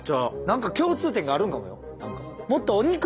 何か共通点があるんかもよ。